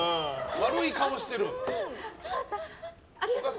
悪い顔してる。